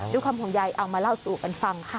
ความห่วงใยเอามาเล่าสู่กันฟังค่ะ